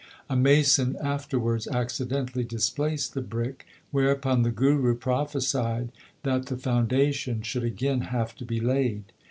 A mason afterwards accidentally displaced the brick, whereupon the Guru prophesied that the foundation should again have to be laid.